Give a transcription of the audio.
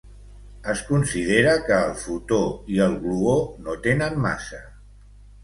Es considera que el fotó i el gluó no tenen massa.